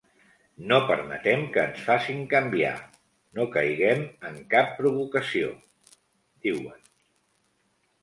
No permetem que ens facin canviar, no caiguem en cap provocació, diuen.